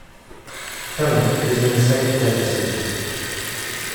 Felling is in a safe Labour seat.